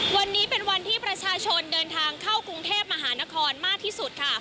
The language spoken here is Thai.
วันนี้เป็นวันที่ประชาชนเดินทางเข้ากรุงเทพมหานครมากที่สุดค่ะ